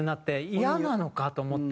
イヤなのか？と思って。